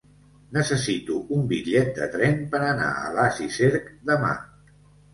Necessito un bitllet de tren per anar a Alàs i Cerc demà.